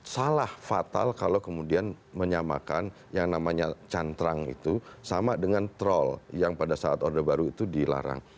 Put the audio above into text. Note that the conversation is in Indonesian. salah fatal kalau kemudian menyamakan yang namanya cantrang itu sama dengan troll yang pada saat orde baru itu dilarang